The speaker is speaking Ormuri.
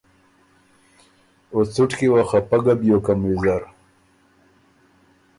او څُټ کی وه خَپۀ ګۀ بیوکم ویزر